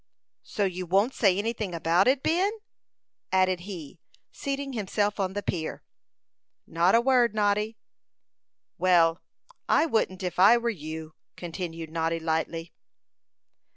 "So you won't say anything about it, Ben?" added he, seating himself on the pier. "Not a word, Noddy." "Well, I wouldn't if I were you," continued Noddy, lightly.